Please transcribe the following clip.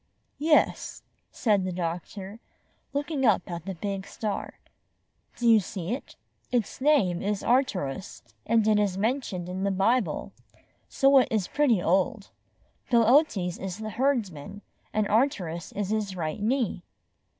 "Yes," said the doctor, looking up at the big star. "Do you see it?" Its name is Arc tu rus, and it is m.entioned in the Bible, so it 29 is pretty old. Bootes is the Herdsman, and Arcturus is his right knee."